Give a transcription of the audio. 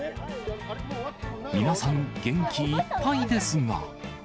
皆さん元気いっぱいですが。